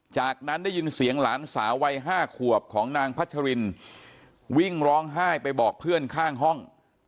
จากนั้นได้ยินเสียงหลานสาววัย๕ขวบของนางพัชรินวิ่งร้องไห้ไปบอกเพื่อนข้างห้อง